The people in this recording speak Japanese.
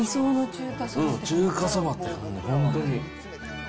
中華そばって感じ、本当に。